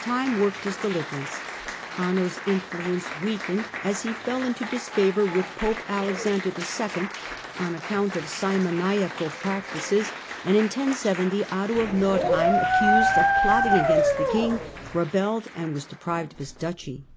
Time worked his deliverance. Anno's influence weakened as he fell into disfavour with Pope Alexander II. on account of simoniacal practices, and in 1070 Otto of Nordheim, accused of plotting against the king, rebelled, and was deprived of his duchy.